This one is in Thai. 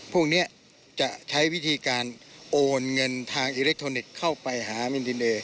พวกนี้จะใช้วิธีการโอนเงินทางอิเล็กทรอนิกส์เข้าไปหามินดินเอ